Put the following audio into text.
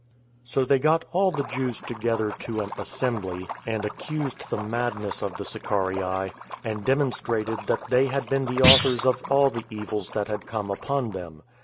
So they got all the Jews together to an assembly, and accused the madness of the Sicarii, and demonstrated that they had been the authors of all the evils that had come upon them.